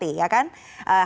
hari ini bisa ditunggu